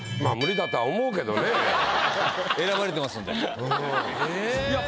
選ばれてますんで。